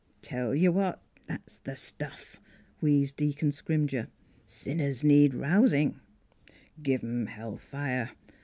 " Tell ye what, that's th' stuff !" wheezed Dea con Scrimger. " Sinners needs rousin'. Give 'em hell fire!